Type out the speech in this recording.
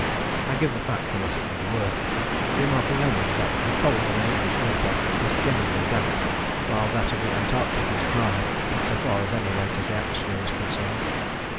I give the fact for what it may be worth, remarking only that the cold of an English winter is generally damp, while that of the Antarctic is dry, so far at any rate as the atmosphere is concerned.